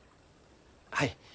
はい。